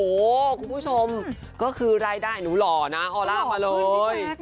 โอ้โหคุณผู้ชมก็คือรายได้หนูหล่อนะออร่ามาเลย